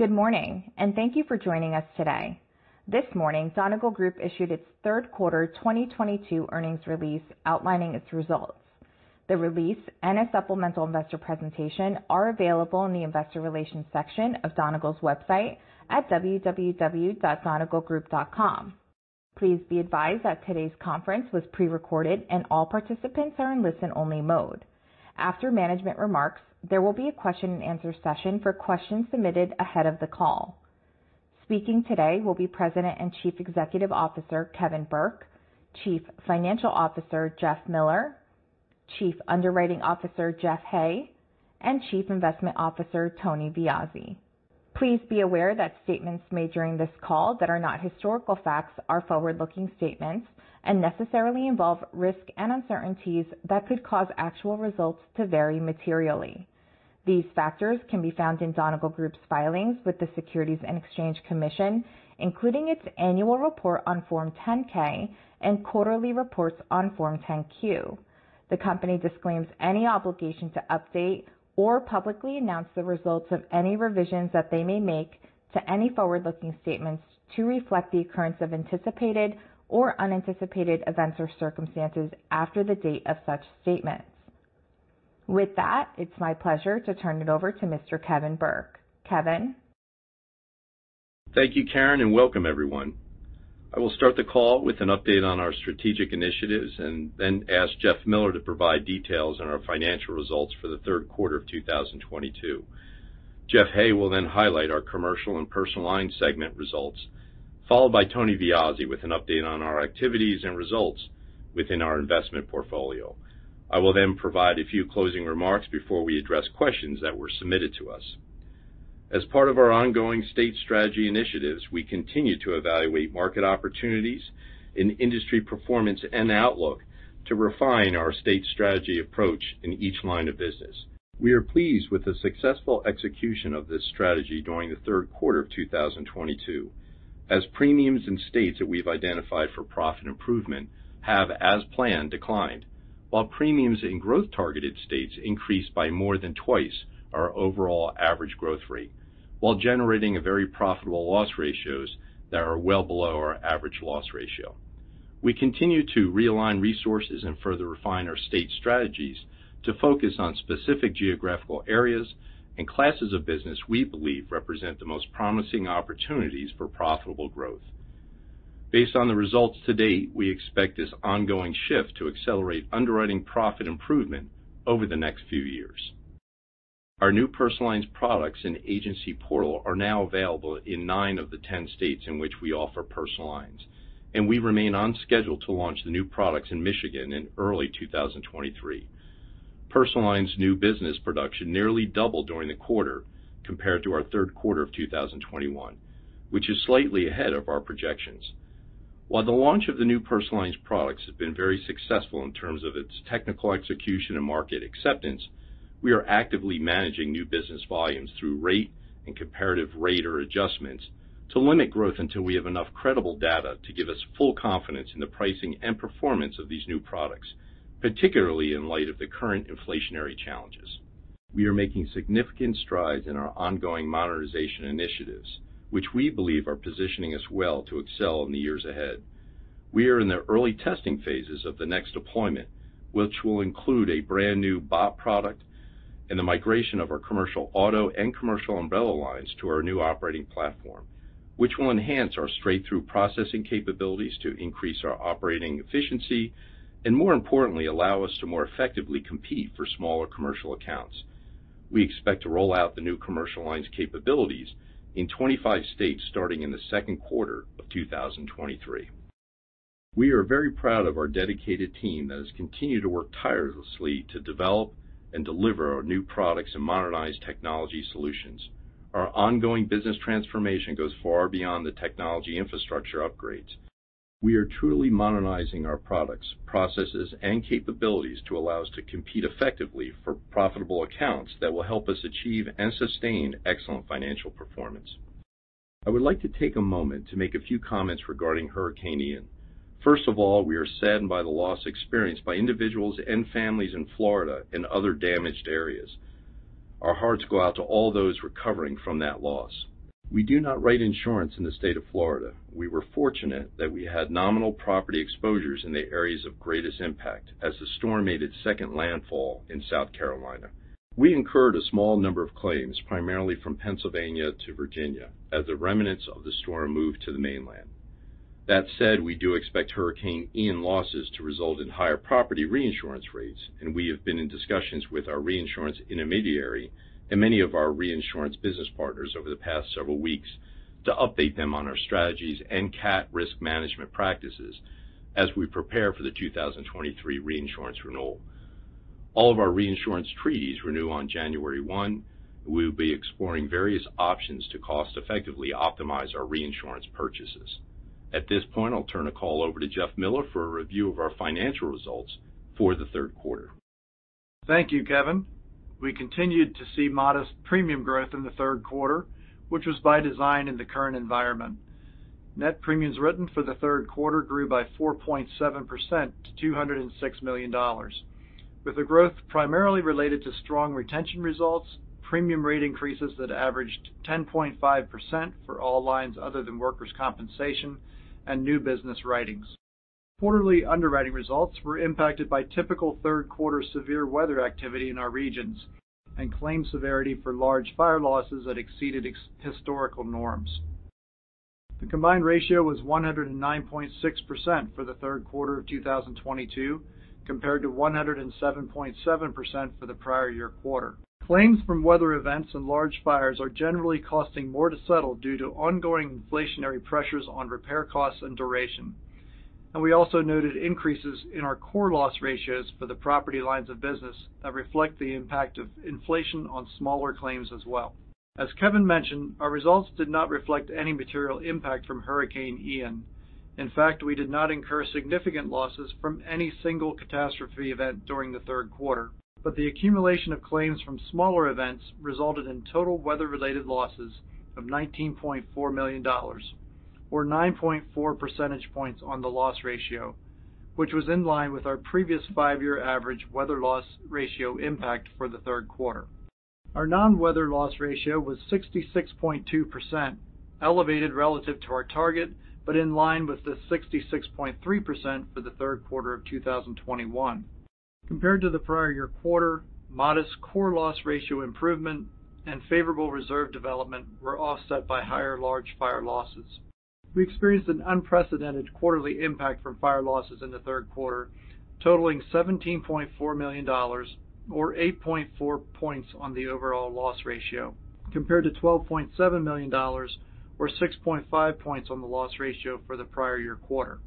Good morning, and thank you for joining us today. This morning, Donegal Group issued its third quarter 2022 earnings release outlining its results. The release and a supplemental investor presentation are available in the investor relations section of Donegal's website at www.donegalgroup.com. Please be advised that today's conference was pre-recorded and all participants are in listen-only mode. After management remarks, there will be a question-and-answer session for questions submitted ahead of the call. Speaking today will be President and Chief Executive Officer, Kevin Burke, Chief Financial Officer, Jeff Miller, Chief Underwriting Officer, Jeff Hay, and Chief Investment Officer, Tony Viozzi. Please be aware that statements made during this call that are not historical facts are forward-looking statements and necessarily involve risks and uncertainties that could cause actual results to vary materially. These factors can be found in Donegal Group's filings with the Securities and Exchange Commission, including its annual report on Form 10-K and quarterly reports on Form 10-Q. The company disclaims any obligation to update or publicly announce the results of any revisions that they may make to any forward-looking statements to reflect the occurrence of anticipated or unanticipated events or circumstances after the date of such statements. With that, it's my pleasure to turn it over to Mr. Kevin Burke. Kevin? Thank you, Karin, and welcome everyone. I will start the call with an update on our strategic initiatives and then ask Jeff Miller to provide details on our financial results for the third quarter of 2022. Jeff Hay will then highlight our commercial and personal line segment results, followed by Tony Viozzi with an update on our activities and results within our investment portfolio. I will then provide a few closing remarks before we address questions that were submitted to us. As part of our ongoing state strategy initiatives, we continue to evaluate market opportunities in industry performance and outlook to refine our state strategy approach in each line of business. We are pleased with the successful execution of this strategy during the third quarter of 2022 as premiums in states that we've identified for profit improvement have, as planned, declined. While premiums in growth-targeted states increased by more than twice our overall average growth rate while generating a very profitable loss ratio that is well below our average loss ratio. We continue to realign resources and further refine our state strategies to focus on specific geographical areas and classes of business we believe represent the most promising opportunities for profitable growth. Based on the results to date, we expect this ongoing shift to accelerate underwriting profit improvement over the next few years. Our new personal lines products and agency portal are now available in 9 of the 10 states in which we offer personal lines, and we remain on schedule to launch the new products in Michigan in early 2023. Personal lines new business production nearly doubled during the quarter compared to our third quarter of 2021, which is slightly ahead of our projections. While the launch of the new personal lines products has been very successful in terms of its technical execution and market acceptance, we are actively managing new business volumes through rate and comparative rate or adjustments to limit growth until we have enough credible data to give us full confidence in the pricing and performance of these new products, particularly in light of the current inflationary challenges. We are making significant strides in our ongoing modernization initiatives, which we believe are positioning us well to excel in the years ahead. We are in the early testing phases of the next deployment, which will include a brand-new BOP product and the migration of our commercial auto and commercial umbrella lines to our new operating platform, which will enhance our straight-through processing capabilities to increase our operating efficiency and, more importantly, allow us to more effectively compete for smaller commercial accounts. We expect to roll out the new commercial lines capabilities in 25 states starting in the second quarter of 2023. We are very proud of our dedicated team that has continued to work tirelessly to develop and deliver our new products and modernized technology solutions. Our ongoing business transformation goes far beyond the technology infrastructure upgrades. We are truly modernizing our products, processes, and capabilities to allow us to compete effectively for profitable accounts that will help us achieve and sustain excellent financial performance. I would like to take a moment to make a few comments regarding Hurricane Ian. First of all, we are saddened by the loss experienced by individuals and families in Florida and other damaged areas. Our hearts go out to all those recovering from that loss. We do not write insurance in the state of Florida. We were fortunate that we had nominal property exposures in the areas of greatest impact as the storm made its second landfall in South Carolina. We incurred a small number of claims, primarily from Pennsylvania to Virginia, as the remnants of the storm moved to the mainland. That said, we do expect Hurricane Ian losses to result in higher property reinsurance rates, and we have been in discussions with our reinsurance intermediary and many of our reinsurance business partners over the past several weeks to update them on our strategies and CAT risk management practices as we prepare for the 2023 reinsurance renewal. All of our reinsurance treaties renew on January one. We will be exploring various options to cost effectively optimize our reinsurance purchases. At this point, I'll turn the call over to Jeff Miller for a review of our financial results for the third quarter. Thank you, Kevin. We continued to see modest premium growth in the third quarter, which was by design in the current environment. Net premiums written for the third quarter grew by 4.7% to $206 million. With the growth primarily related to strong retention results, premium rate increases that averaged 10.5% for all lines other than workers' compensation and new business writings. Quarterly underwriting results were impacted by typical third quarter severe weather activity in our regions and claim severity for large fire losses that exceeded historical norms. The combined ratio was 109.6% for the third quarter of 2022, compared to 107.7% for the prior year quarter. Claims from weather events and large fires are generally costing more to settle due to ongoing inflationary pressures on repair costs and duration. We also noted increases in our core loss ratios for the property lines of business that reflect the impact of inflation on smaller claims as well. As Kevin mentioned, our results did not reflect any material impact from Hurricane Ian. In fact, we did not incur significant losses from any single catastrophe event during the third quarter. The accumulation of claims from smaller events resulted in total weather-related losses of $19.4 million or 9.4 percentage points on the loss ratio, which was in line with our previous five-year average weather loss ratio impact for the third quarter. Our non-weather loss ratio was 66.2%, elevated relative to our target, but in line with the 66.3% for the third quarter of 2021. Compared to the prior year quarter, modest core loss ratio improvement and favorable reserve development were offset by higher large fire losses. We experienced an unprecedented quarterly impact from fire losses in the third quarter, totaling $17.4 million or 8.4 points on the overall loss ratio, compared to $12.7 million or 6.5 points on the loss ratio for the prior year quarter.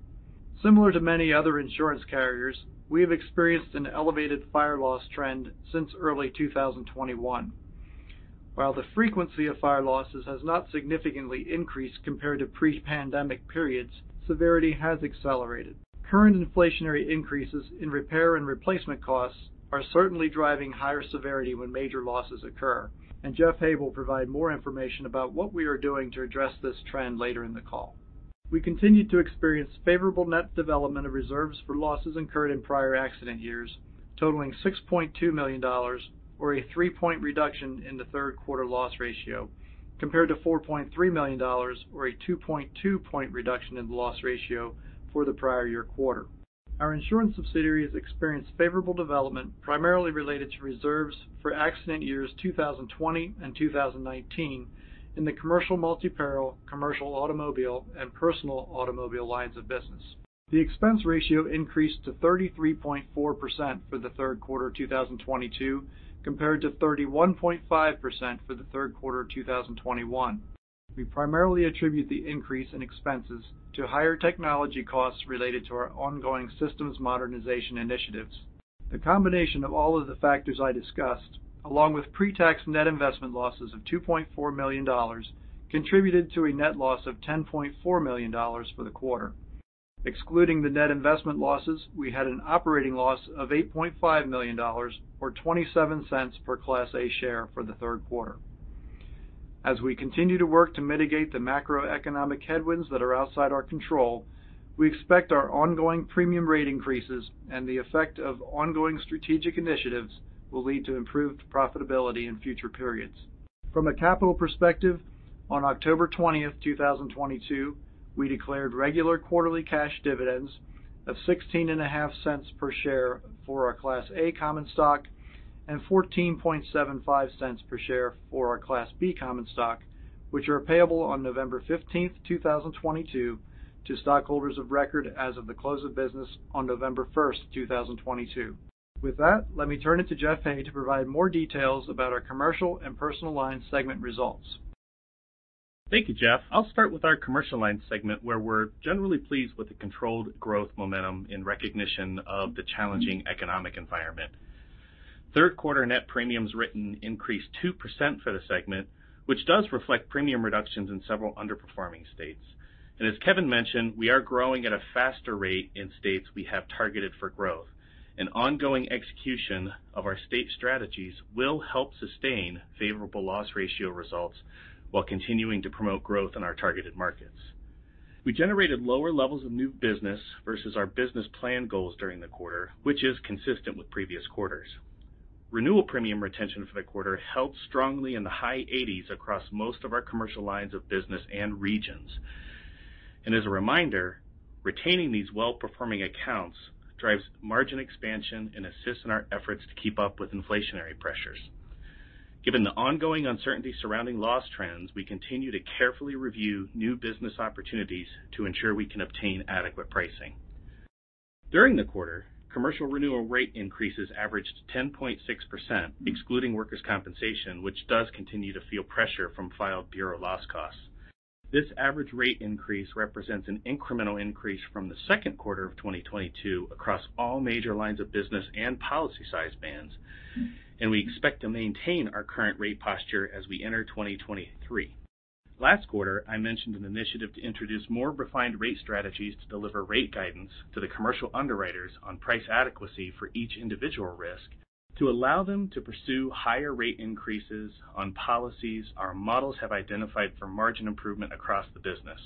Similar to many other insurance carriers, we have experienced an elevated fire loss trend since early 2021. While the frequency of fire losses has not significantly increased compared to pre-pandemic periods, severity has accelerated. Current inflationary increases in repair and replacement costs are certainly driving higher severity when major losses occur, and Jeff Hay will provide more information about what we are doing to address this trend later in the call. We continued to experience favorable net development of reserves for losses incurred in prior accident years, totaling $6.2 million or a 3-point reduction in the third quarter loss ratio compared to $4.3 million or a 2.2-point reduction in the loss ratio for the prior year quarter. Our insurance subsidiaries experienced favorable development, primarily related to reserves for accident years 2020 and 2019 in the commercial multi-peril, commercial automobile, and personal automobile lines of business. The expense ratio increased to 33.4% for the third quarter of 2022, compared to 31.5% for the third quarter of 2021. We primarily attribute the increase in expenses to higher technology costs related to our ongoing systems modernization initiatives. The combination of all of the factors I discussed, along with pre-tax net investment losses of $2.4 million contributed to a net loss of $10.4 million for the quarter. Excluding the net investment losses, we had an operating loss of $8.5 million or $0.27 per Class A share for the third quarter. As we continue to work to mitigate the macroeconomic headwinds that are outside our control, we expect our ongoing premium rate increases and the effect of ongoing strategic initiatives will lead to improved profitability in future periods. From a capital perspective, on October 20, 2022, we declared regular quarterly cash dividends of $0.165 per share for our Class A common stock and $0.1475 per share for our Class B common stock, which are payable on November 15, 2022 to stockholders of record as of the close of business on November 1, 2022. With that, let me turn it to Jeff Hay to provide more details about our commercial and personal line segment results. Thank you, Jeff. I'll start with our commercial line segment, where we're generally pleased with the controlled growth momentum in recognition of the challenging economic environment. Third quarter net premiums written increased 2% for the segment, which does reflect premium reductions in several underperforming states. As Kevin mentioned, we are growing at a faster rate in states we have targeted for growth. An ongoing execution of our state strategies will help sustain favorable loss ratio results while continuing to promote growth in our targeted markets. We generated lower levels of new business versus our business plan goals during the quarter, which is consistent with previous quarters. Renewal premium retention for the quarter held strongly in the high eighties across most of our commercial lines of business and regions. As a reminder, retaining these well-performing accounts drives margin expansion and assists in our efforts to keep up with inflationary pressures. Given the ongoing uncertainty surrounding loss trends, we continue to carefully review new business opportunities to ensure we can obtain adequate pricing. During the quarter, commercial renewal rate increases averaged 10.6%, excluding workers' compensation, which does continue to feel pressure from filed bureau loss costs. This average rate increase represents an incremental increase from the second quarter of 2022 across all major lines of business and policy size bands, and we expect to maintain our current rate posture as we enter 2023. Last quarter, I mentioned an initiative to introduce more refined rate strategies to deliver rate guidance to the commercial underwriters on price adequacy for each individual risk. To allow them to pursue higher rate increases on policies our models have identified for margin improvement across the business.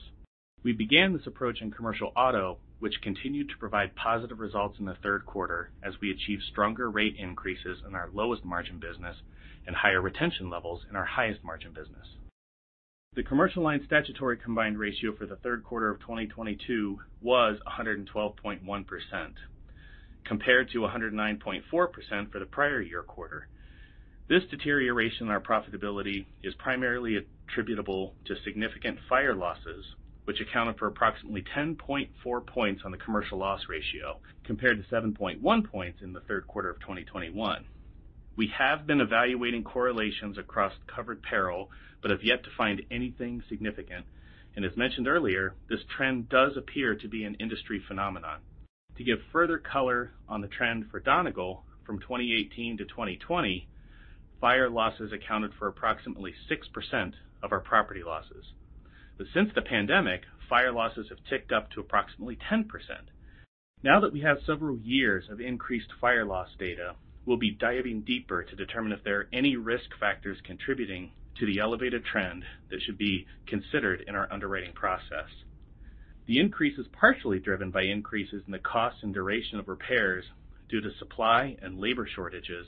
We began this approach in commercial auto, which continued to provide positive results in the third quarter as we achieved stronger rate increases in our lowest margin business and higher retention levels in our highest margin business. The commercial line statutory combined ratio for the third quarter of 2022 was 112.1% compared to 109.4% for the prior year quarter. This deterioration in our profitability is primarily attributable to significant fire losses, which accounted for approximately 10.4 points on the commercial loss ratio compared to 7.1 points in the third quarter of 2021. We have been evaluating correlations across covered peril, but have yet to find anything significant. As mentioned earlier, this trend does appear to be an industry phenomenon. To give further color on the trend for Donegal from 2018 to 2020, fire losses accounted for approximately 6% of our property losses. Since the pandemic, fire losses have ticked up to approximately 10%. Now that we have several years of increased fire loss data, we'll be diving deeper to determine if there are any risk factors contributing to the elevated trend that should be considered in our underwriting process. The increase is partially driven by increases in the cost and duration of repairs due to supply and labor shortages,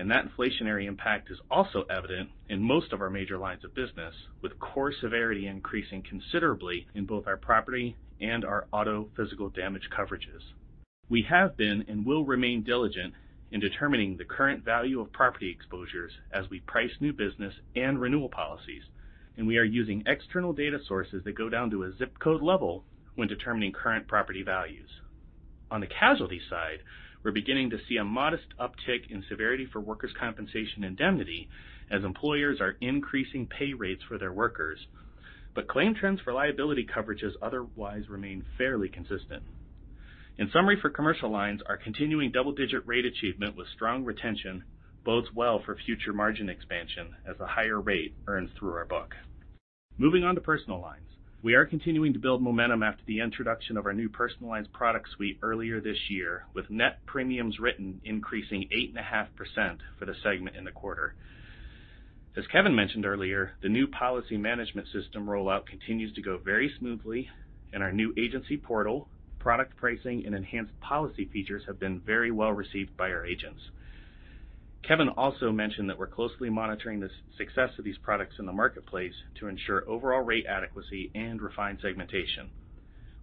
and that inflationary impact is also evident in most of our major lines of business, with core severity increasing considerably in both our property and our auto physical damage coverages. We have been and will remain diligent in determining the current value of property exposures as we price new business and renewal policies, and we are using external data sources that go down to a ZIP code level when determining current property values. On the casualty side, we're beginning to see a modest uptick in severity for workers' compensation indemnity as employers are increasing pay rates for their workers. Claim trends for liability coverages otherwise remain fairly consistent. In summary, for commercial lines, our continuing double-digit rate achievement with strong retention bodes well for future margin expansion as a higher rate earns through our book. Moving on to personal lines. We are continuing to build momentum after the introduction of our new personal lines product suite earlier this year, with net premiums written increasing 8.5% for the segment in the quarter. As Kevin mentioned earlier, the new policy management system rollout continues to go very smoothly, and our new agency portal, product pricing, and enhanced policy features have been very well received by our agents. Kevin also mentioned that we're closely monitoring the success of these products in the marketplace to ensure overall rate adequacy and refined segmentation.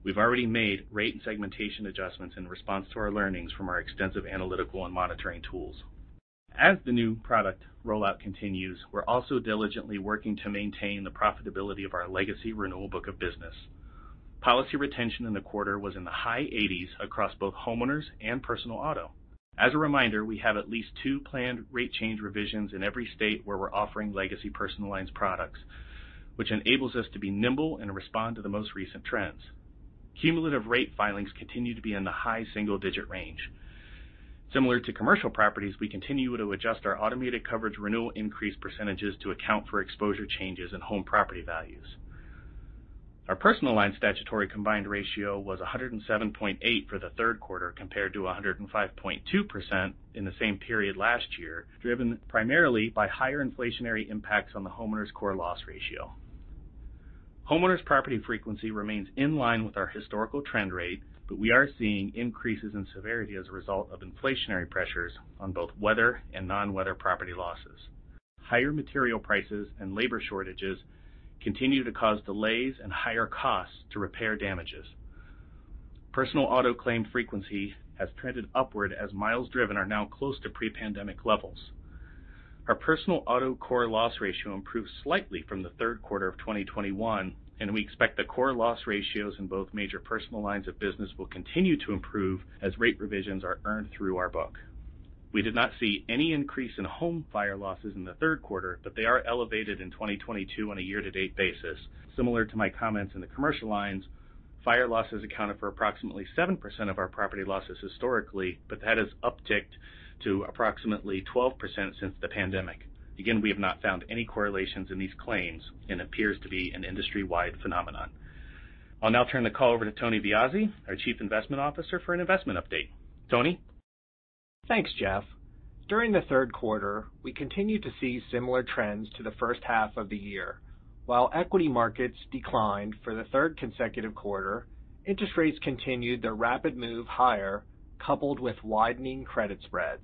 We've already made rate and segmentation adjustments in response to our learnings from our extensive analytical and monitoring tools. As the new product rollout continues, we're also diligently working to maintain the profitability of our legacy renewal book of business. Policy retention in the quarter was in the high 80s across both homeowners and personal auto. As a reminder, we have at least 2 planned rate change revisions in every state where we're offering legacy personal lines products, which enables us to be nimble and respond to the most recent trends. Cumulative rate filings continue to be in the high single-digit range. Similar to commercial properties, we continue to adjust our automated coverage renewal increase percentages to account for exposure changes in home property values. Our personal line statutory combined ratio was 107.8% for the third quarter, compared to 105.2% in the same period last year, driven primarily by higher inflationary impacts on the homeowners' core loss ratio. Homeowners' property frequency remains in line with our historical trend rate, but we are seeing increases in severity as a result of inflationary pressures on both weather and non-weather property losses. Higher material prices and labor shortages continue to cause delays and higher costs to repair damages. Personal auto claim frequency has trended upward as miles driven are now close to pre-pandemic levels. Our personal auto core loss ratio improved slightly from the third quarter of 2021, and we expect the core loss ratios in both major personal lines of business will continue to improve as rate revisions are earned through our book. We did not see any increase in home fire losses in the third quarter, but they are elevated in 2022 on a year-to-date basis. Similar to my comments in the commercial lines, fire losses accounted for approximately 7% of our property losses historically, but that has upticked to approximately 12% since the pandemic. Again, we have not found any correlations in these claims and appears to be an industry-wide phenomenon. I'll now turn the call over to Tony Viozzi, our Chief Investment Officer, for an investment update. Tony? Thanks, Jeff. During the third quarter, we continued to see similar trends to the first half of the year. While equity markets declined for the third consecutive quarter, interest rates continued their rapid move higher, coupled with widening credit spreads.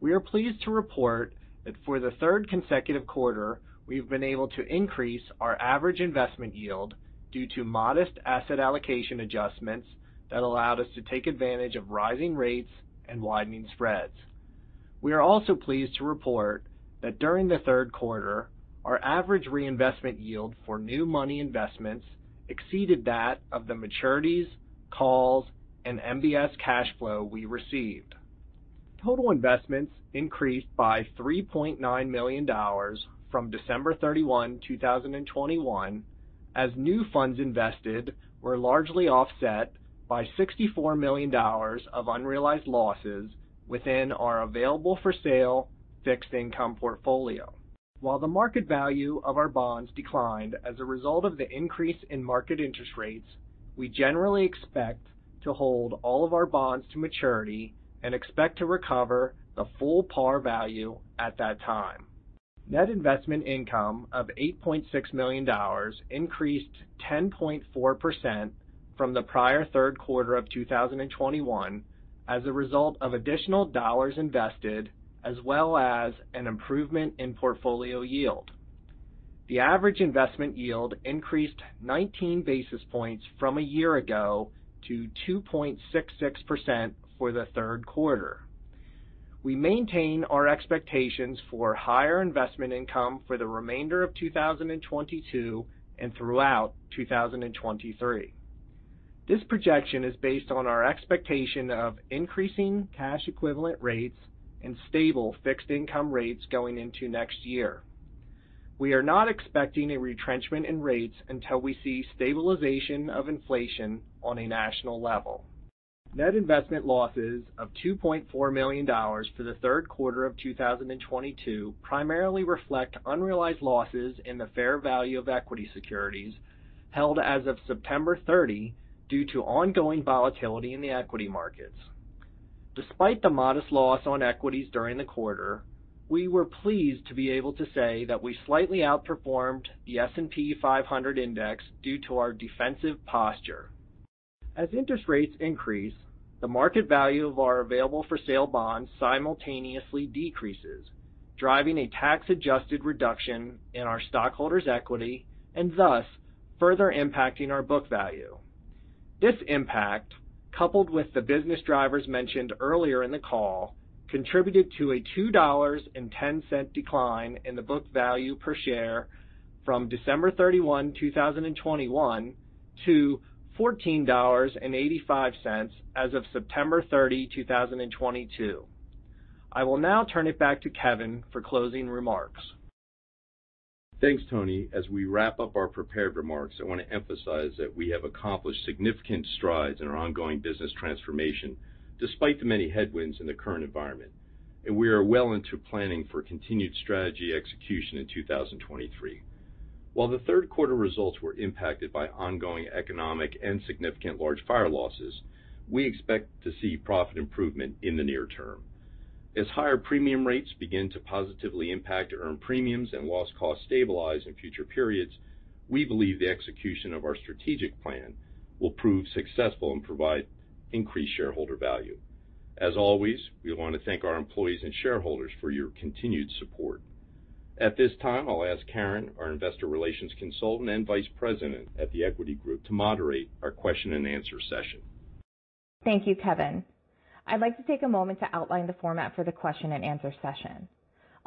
We are pleased to report that for the third consecutive quarter, we've been able to increase our average investment yield due to modest asset allocation adjustments that allowed us to take advantage of rising rates and widening spreads. We are also pleased to report that during the third quarter, our average reinvestment yield for new money investments exceeded that of the maturities, calls, and MBS cash flow we received. Total investments increased by $3.9 million from December 31, 2021, as new funds invested were largely offset by $64 million of unrealized losses within our available-for-sale fixed income portfolio. While the market value of our bonds declined as a result of the increase in market interest rates. We generally expect to hold all of our bonds to maturity and expect to recover the full par value at that time. Net investment income of $8.6 million increased 10.4% from the prior third quarter of 2021 as a result of additional dollars invested as well as an improvement in portfolio yield. The average investment yield increased 19 basis points from a year ago to 2.66% for the third quarter. We maintain our expectations for higher investment income for the remainder of 2022 and throughout 2023. This projection is based on our expectation of increasing cash equivalent rates and stable fixed income rates going into next year. We are not expecting a retrenchment in rates until we see stabilization of inflation on a national level. Net investment losses of $2.4 million for the third quarter of 2022 primarily reflect unrealized losses in the fair value of equity securities held as of September 30 due to ongoing volatility in the equity markets. Despite the modest loss on equities during the quarter, we were pleased to be able to say that we slightly outperformed the S&P 500 index due to our defensive posture. As interest rates increase, the market value of our available-for-sale bonds simultaneously decreases, driving a tax-adjusted reduction in our stockholders' equity and thus further impacting our book value. This impact, coupled with the business drivers mentioned earlier in the call, contributed to a $2.10 decline in the book value per share from December 31, 2021 to $14.85 as of September 30, 2022. I will now turn it back to Kevin for closing remarks. Thanks, Tony. As we wrap up our prepared remarks, I want to emphasize that we have accomplished significant strides in our ongoing business transformation despite the many headwinds in the current environment, and we are well into planning for continued strategy execution in 2023. While the third quarter results were impacted by ongoing economic and significant large fire losses, we expect to see profit improvement in the near term. As higher premium rates begin to positively impact earned premiums and loss costs stabilize in future periods, we believe the execution of our strategic plan will prove successful and provide increased shareholder value. As always, we want to thank our employees and shareholders for your continued support. At this time, I'll ask Karin, our investor relations consultant and vice president at The Equity Group, to moderate our question-and-answer session. Thank you, Kevin. I'd like to take a moment to outline the format for the question-and-answer session.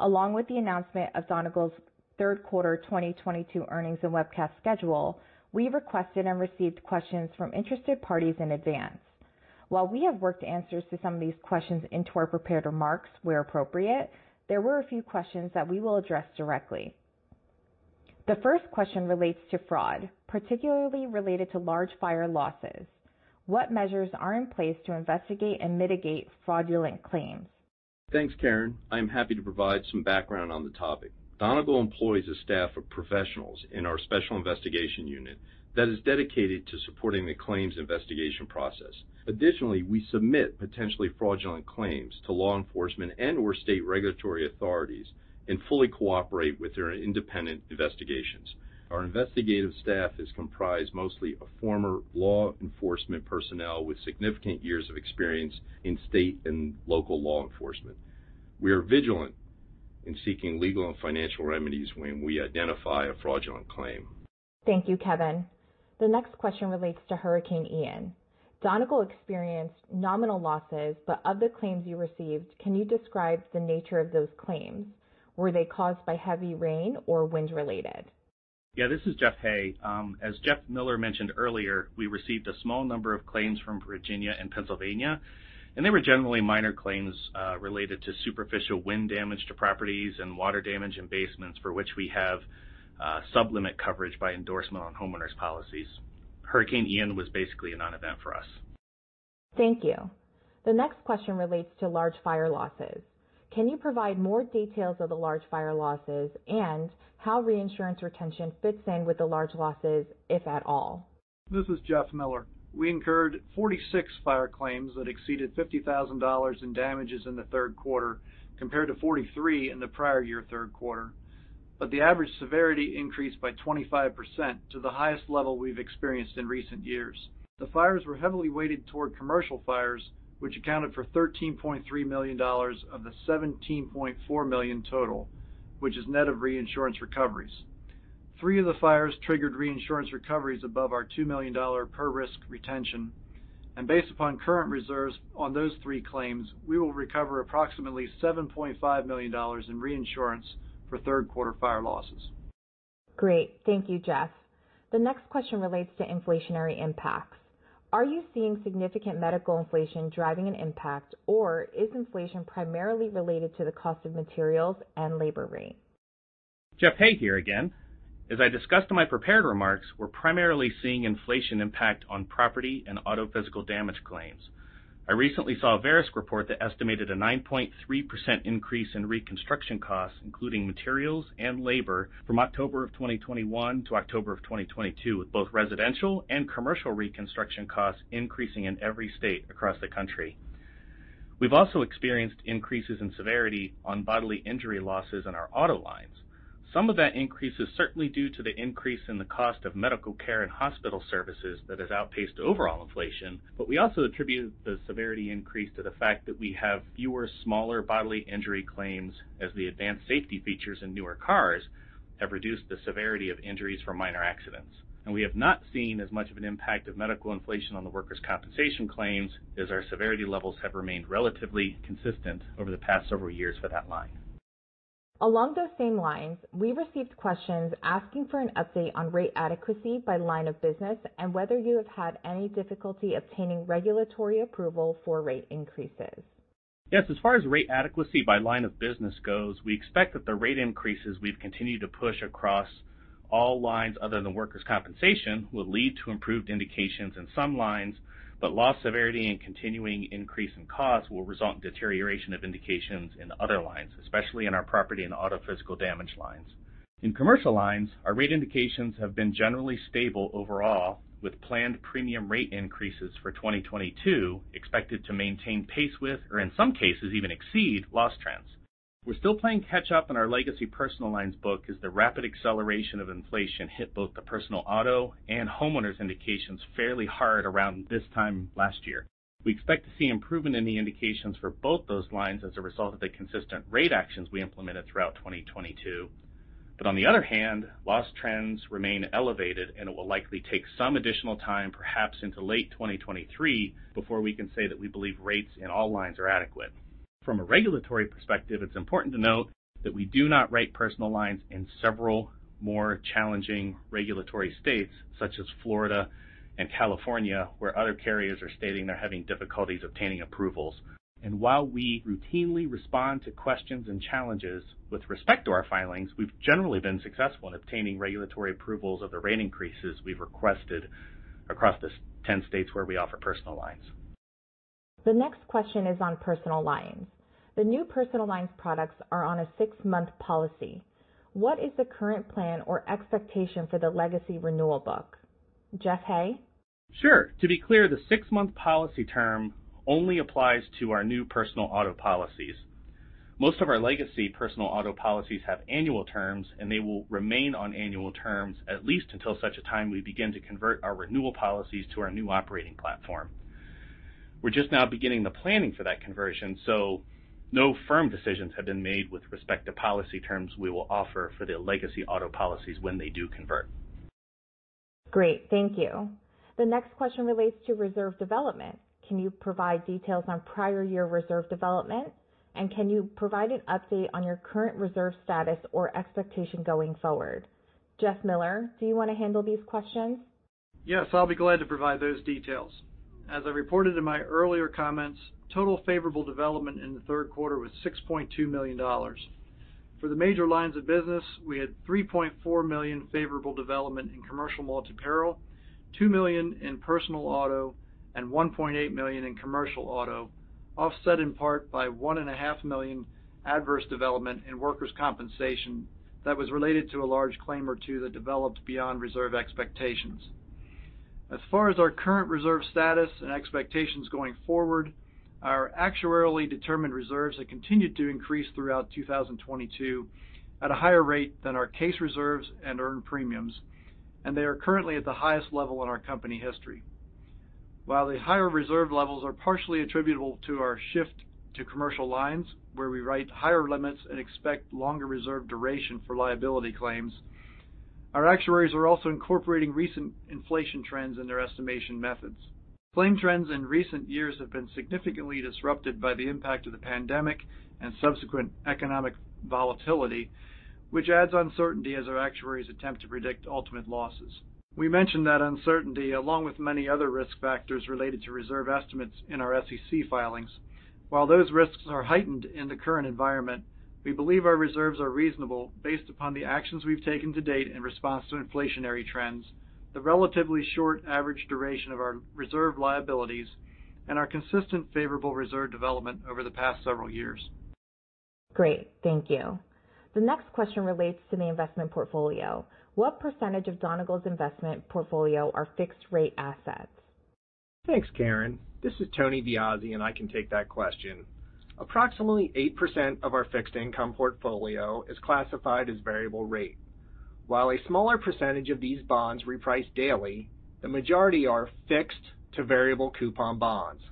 Along with the announcement of Donegal's third quarter 2022 earnings and webcast schedule, we requested and received questions from interested parties in advance. While we have worked answers to some of these questions into our prepared remarks where appropriate, there were a few questions that we will address directly. The first question relates to fraud, particularly related to large fire losses. What measures are in place to investigate and mitigate fraudulent claims? Thanks, Karin. I am happy to provide some background on the topic. Donegal employs a staff of professionals in our Special Investigation Unit that is dedicated to supporting the claims investigation process. Additionally, we submit potentially fraudulent claims to law enforcement and/or state regulatory authorities and fully cooperate with their independent investigations. Our investigative staff is comprised mostly of former law enforcement personnel with significant years of experience in state and local law enforcement. We are vigilant in seeking legal and financial remedies when we identify a fraudulent claim. Thank you, Kevin. The next question relates to Hurricane Ian. Donegal experienced nominal losses, but of the claims you received, can you describe the nature of those claims? Were they caused by heavy rain or wind-related? Yeah, this is Jeff Hay. As Jeff Miller mentioned earlier, we received a small number of claims from Virginia and Pennsylvania, and they were generally minor claims related to superficial wind damage to properties and water damage in basements for which we have sub-limit coverage by endorsement on homeowners' policies. Hurricane Ian was basically a non-event for us. Thank you. The next question relates to large fire losses. Can you provide more details of the large fire losses and how reinsurance retention fits in with the large losses, if at all? This is Jeff Miller. We incurred 46 fire claims that exceeded $50,000 in damages in the third quarter compared to 43 in the prior year third quarter. The average severity increased by 25% to the highest level we've experienced in recent years. The fires were heavily weighted toward commercial fires, which accounted for $13.3 million of the $17.4 million total, which is net of reinsurance recoveries. Three of the fires triggered reinsurance recoveries above our $2 million per risk retention, and based upon current reserves on those three claims, we will recover approximately $7.5 million in reinsurance for third-quarter fire losses. Great. Thank you, Jeff. The next question relates to inflationary impacts. Are you seeing significant medical inflation driving an impact, or is inflation primarily related to the cost of materials and labor rate? Jeff Hay here again. As I discussed in my prepared remarks, we're primarily seeing inflation impact on property and auto physical damage claims. I recently saw a Verisk report that estimated a 9.3% increase in reconstruction costs, including materials and labor, from October of 2021 to October of 2022, with both residential and commercial reconstruction costs increasing in every state across the country. We've also experienced increases in severity on bodily injury losses in our auto lines. Some of that increase is certainly due to the increase in the cost of medical care and hospital services that has outpaced overall inflation, but we also attribute the severity increase to the fact that we have fewer smaller bodily injury claims as the advanced safety features in newer cars have reduced the severity of injuries from minor accidents. We have not seen as much of an impact of medical inflation on the workers' compensation claims as our severity levels have remained relatively consistent over the past several years for that line. Along those same lines, we received questions asking for an update on rate adequacy by line of business and whether you have had any difficulty obtaining regulatory approval for rate increases. Yes. As far as rate adequacy by line of business goes, we expect that the rate increases we've continued to push across all lines other than workers' compensation will lead to improved indications in some lines, but loss severity and continuing increase in costs will result in deterioration of indications in other lines, especially in our property and auto physical damage lines. In commercial lines, our rate indications have been generally stable overall, with planned premium rate increases for 2022 expected to maintain pace with, or in some cases even exceed, loss trends. We're still playing catch up in our legacy personal lines book as the rapid acceleration of inflation hit both the personal auto and homeowners indications fairly hard around this time last year. We expect to see improvement in the indications for both those lines as a result of the consistent rate actions we implemented throughout 2022. On the other hand, loss trends remain elevated, and it will likely take some additional time, perhaps into late 2023, before we can say that we believe rates in all lines are adequate. From a regulatory perspective, it's important to note that we do not write personal lines in several more challenging regulatory states such as Florida and California, where other carriers are stating they're having difficulties obtaining approvals. While we routinely respond to questions and challenges with respect to our filings, we've generally been successful in obtaining regulatory approvals of the rate increases we've requested across the 50 states where we offer personal lines. The next question is on personal lines. The new personal lines products are on a six-month policy. What is the current plan or expectation for the legacy renewal book? Jeff Hay? Sure. To be clear, the six-month policy term only applies to our new personal auto policies. Most of our legacy personal auto policies have annual terms, and they will remain on annual terms at least until such a time we begin to convert our renewal policies to our new operating platform. We're just now beginning the planning for that conversion, so no firm decisions have been made with respect to policy terms we will offer for the legacy auto policies when they do convert. Great. Thank you. The next question relates to reserve development. Can you provide details on prior year reserve development? And can you provide an update on your current reserve status or expectation going forward? Jeff Miller, do you wanna handle these questions? Yes, I'll be glad to provide those details. As I reported in my earlier comments, total favorable development in the third quarter was $6.2 million. For the major lines of business, we had $3.4 million favorable development in commercial multi-peril, $2 million in personal auto, and $1.8 million in commercial auto, offset in part by $1.5 million adverse development in workers' compensation that was related to a large claim or two that developed beyond reserve expectations. As far as our current reserve status and expectations going forward, our actuarially determined reserves have continued to increase throughout 2022 at a higher rate than our case reserves and earned premiums, and they are currently at the highest level in our company history. While the higher reserve levels are partially attributable to our shift to commercial lines, where we write higher limits and expect longer reserve duration for liability claims, our actuaries are also incorporating recent inflation trends in their estimation methods. Claim trends in recent years have been significantly disrupted by the impact of the pandemic and subsequent economic volatility, which adds uncertainty as our actuaries attempt to predict ultimate losses. We mentioned that uncertainty, along with many other risk factors related to reserve estimates in our SEC filings. While those risks are heightened in the current environment, we believe our reserves are reasonable based upon the actions we've taken to date in response to inflationary trends, the relatively short average duration of our reserve liabilities, and our consistent favorable reserve development over the past several years. Great. Thank you. The next question relates to the investment portfolio. What percentage of Donegal's investment portfolio are fixed-rate assets? Thanks, Karin. This is Tony Viozzi, and I can take that question. Approximately 8% of our fixed income portfolio is classified as variable rate. While a smaller percentage of these bonds reprice daily, the majority are fixed to variable coupon bonds.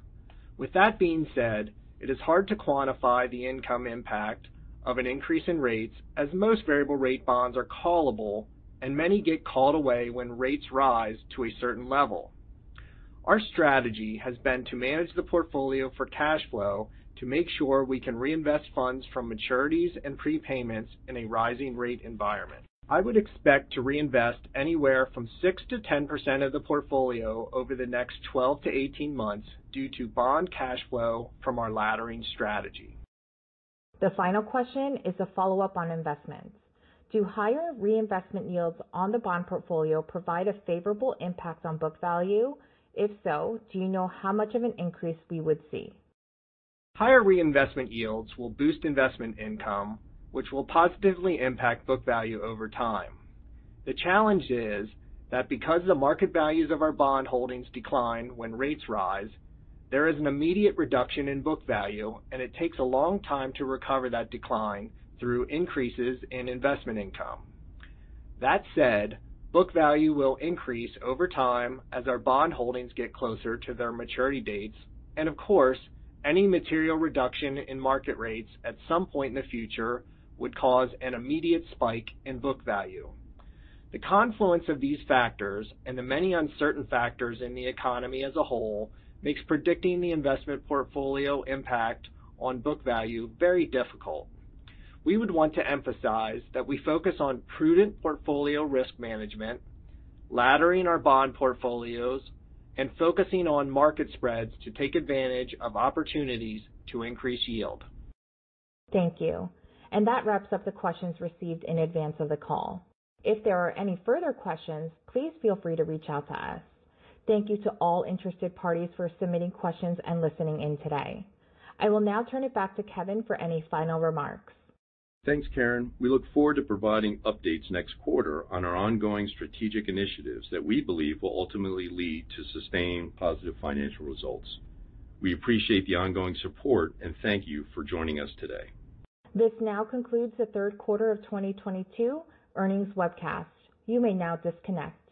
With that being said, it is hard to quantify the income impact of an increase in rates as most variable rate bonds are callable and many get called away when rates rise to a certain level. Our strategy has been to manage the portfolio for cash flow to make sure we can reinvest funds from maturities and prepayments in a rising rate environment. I would expect to reinvest anywhere from 6%–10% of the portfolio over the next 12-18 months due to bond cash flow from our laddering strategy. The final question is a follow-up on investments. Do higher reinvestment yields on the bond portfolio provide a favorable impact on book value? If so, do you know how much of an increase we would see? Higher reinvestment yields will boost investment income, which will positively impact book value over time. The challenge is that because the market values of our bond holdings decline when rates rise, there is an immediate reduction in book value, and it takes a long time to recover that decline through increases in investment income. That said, book value will increase over time as our bond holdings get closer to their maturity dates, and of course, any material reduction in market rates at some point in the future would cause an immediate spike in book value. The confluence of these factors and the many uncertain factors in the economy as a whole makes predicting the investment portfolio impact on book value very difficult. We would want to emphasize that we focus on prudent portfolio risk management, laddering our bond portfolios, and focusing on market spreads to take advantage of opportunities to increase yield. Thank you. That wraps up the questions received in advance of the call. If there are any further questions, please feel free to reach out to us. Thank you to all interested parties for submitting questions and listening in today. I will now turn it back to Kevin for any final remarks. Thanks, Karin. We look forward to providing updates next quarter on our ongoing strategic initiatives that we believe will ultimately lead to sustained positive financial results. We appreciate the ongoing support, and thank you for joining us today. This now concludes the third quarter of 2022 earnings webcast. You may now disconnect.